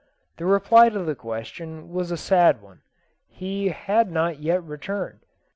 The reply to the question was a sad one: he had not yet returned.